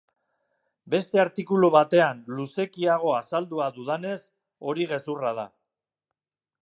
Beste artikulu batean luzekiago azaldua dudanez, hori gezurra da.